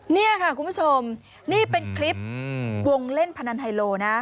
นี่ค่ะคุณผู้ชมนี่เป็นคลิปวงเล่นพนันไฮโลนะ